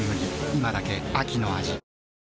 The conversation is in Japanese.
今だけ秋の味